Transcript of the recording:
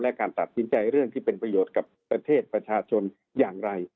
และการตัดสินใจเรื่องที่เป็นประโยชน์กับประเทศประชาชนอย่างไร